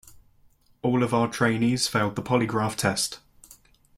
All of our trainees failed the polygraph test.